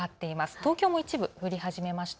東京も一部降り始めました。